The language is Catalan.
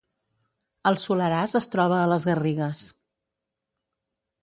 El Soleràs es troba a les Garrigues